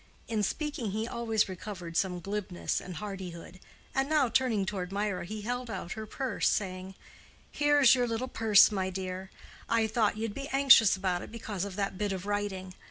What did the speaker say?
In speaking he always recovered some glibness and hardihood; and now turning toward Mirah, he held out her purse, saying, "Here's your little purse, my dear. I thought you'd be anxious about it because of that bit of writing.